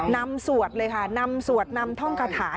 สวดเลยค่ะนำสวดนำท่องคาถา